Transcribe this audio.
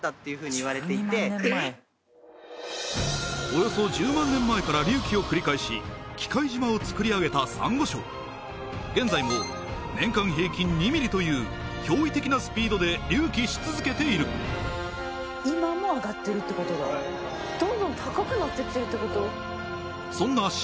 およそ１０万年前から隆起を繰り返し喜界島をつくり上げたサンゴ礁現在も年間平均２ミリという驚異的なスピードで隆起し続けている今も上がってるってことだどんどん高くなってってるってこと？